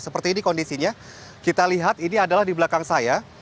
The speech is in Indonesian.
seperti ini kondisinya kita lihat ini adalah di belakang saya